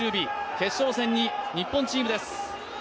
決勝戦に、日本チームです。